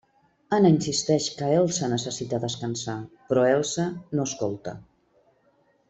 Anna insisteix que Elsa necessita descansar, però Elsa no escolta.